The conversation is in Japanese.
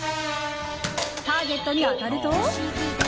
ターゲットに当たると。